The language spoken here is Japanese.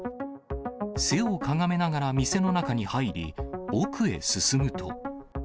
背をかがめながら店の中に入り、奥へ進むと。